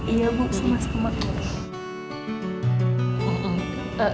iya bu semangat semangat